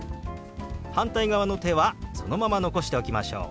反対側の手はそのまま残しておきましょう。